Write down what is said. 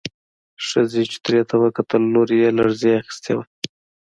ښځې چوترې ته وکتل، لور يې لړزې اخيستې وه.